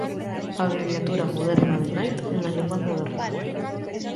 Abreviatura moderna de night en las lenguas modernas.